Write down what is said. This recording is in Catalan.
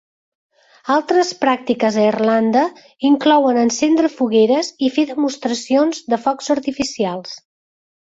Altres pràctiques a Irlanda inclouen encendre fogueres i fer demostracions de focs artificials.